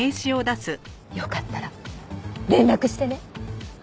よかったら連絡してね！